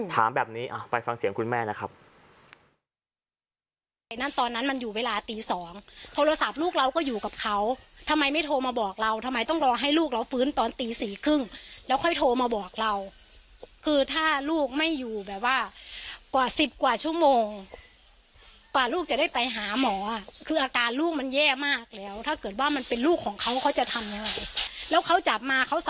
ถามแบบนี้ไปฟังเสียงคุณแม่นะครับ